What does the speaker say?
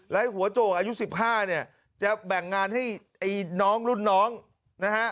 และหัวโจกอายุ๑๕เนี่ยจะแบ่งงานให้ไอ้น้องรุ่นน้องนะฮะ